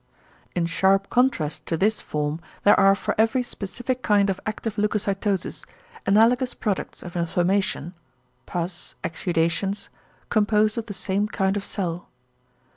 In sharp contrast to this form there are for every specific kind of active leucocytosis, analogous products of inflammation (pus, exudations), composed of the same kind of cell.